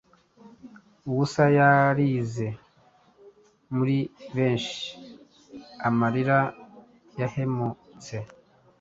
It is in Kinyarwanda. ubusa yarize muri benshi amarira yahemutse.